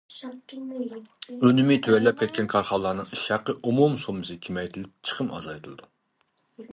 ئۈنۈمى تۆۋەنلەپ كەتكەن كارخانىلارنىڭ ئىش ھەققى ئومۇمىي سوممىسى كېمەيتىلىپ، چىقىم ئازايتىلىدۇ.